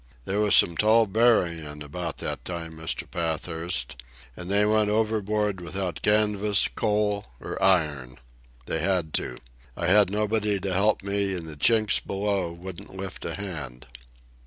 There was some tall buryin' about that time, Mr. Pathurst, and they went overboard without canvas, coal, or iron. They had to. I had nobody to help me, and the Chinks below wouldn't lift a hand.